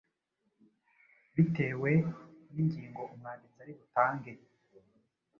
Bitewe n’ingingo umwanditsi ari butange,